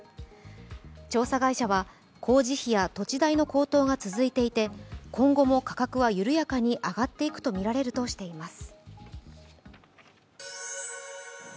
調査会社は、工事費や土地代の高騰が続いていて今後も価格は緩やかに上がっていくとみられるとしています。